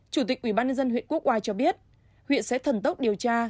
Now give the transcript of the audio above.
chủ tịch ubnd huyện quốc oai cho biết huyện sẽ thần tốc điều tra